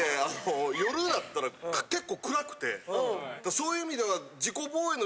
そういう意味では。